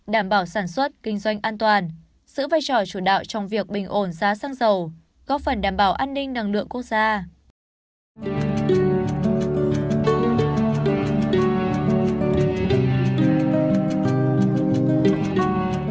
đảm bảo sản xuất kinh doanh an toàn giữ vai trò chủ đạo trong việc bình ổn giá xăng dầu góp phần đảm bảo an ninh năng lượng quốc gia